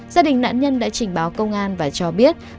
gia đình nạn nhân đã trình báo công an và cho biết